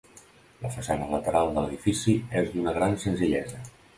La façana lateral de l'edifici és d'una gran senzillesa.